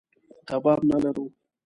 کباب نه لرو.